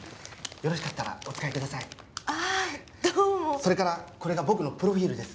それからこれが僕のプロフィールです。